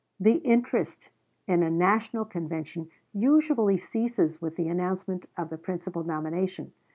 The interest in a National Convention usually ceases with the announcement of the principal nomination.